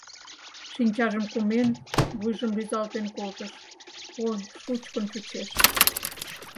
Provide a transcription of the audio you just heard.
Шинчажым кумен, вуйжым рӱзалтен колтыш: «Ой, шучкын чучеш.